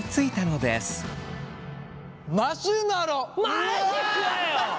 マジかよ！